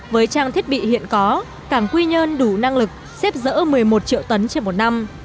với trang thiết bị hiện có cảng quy nhơn đủ năng lực xếp dỡ một mươi một triệu tấn trên một năm